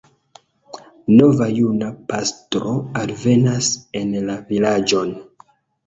Nova juna pastro alvenas en la vilaĝon.